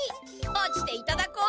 落ちていただこうと。